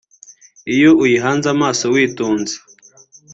Iyo uyihanze amaso witonze